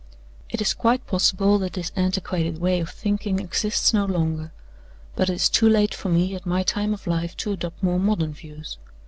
It is quite possible that this antiquated way of thinking exists no longer; but it is too late for me, at my time of life, to adopt more modern views.